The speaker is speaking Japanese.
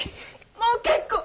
もう結構！